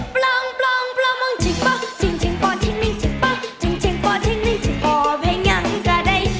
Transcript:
ปล่องปล่องปล่องมองจิงปะจิงจิงปอนจิงนิ่งจิงปะจิงจิงปอนจิงนิ่งจิงปะเวยงยังก็ได้